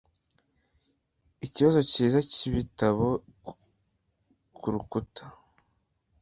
Ikibaho cyiza cyibitabo kurukuta